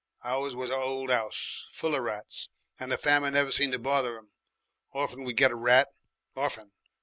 Ours was a old 'ouse, full of rats, and the famine never seemed to bother 'em. Orfen we got a rat. Orfen.